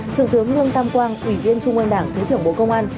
thượng tướng lương tam quang ủy viên trung ương đảng thứ trưởng bộ công an